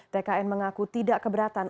tkn mengaku tidak keberatan